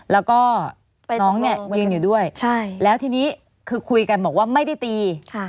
แล้วก็น้องเนี่ยยืนอยู่ด้วยแล้วทีนี้คือคุยกันบอกว่าไม่ได้ตี